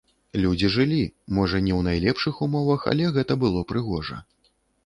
Людзі жылі, можа не ў найлепшых умовах, але гэта было прыгожа.